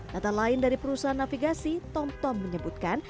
data lain dari perusahaan navigasi tomtom menyebutkan